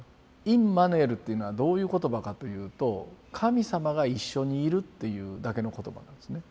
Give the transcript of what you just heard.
インマヌエルっていうのはどういう言葉かというと神様が一緒にいるっていうだけの言葉なんですね。